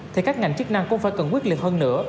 thì các ngành chức năng cũng phải cần quyết liệt hơn nữa